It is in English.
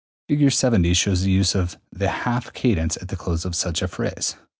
Fig. 70 shows the use of the half cadence at the close of such a phrase.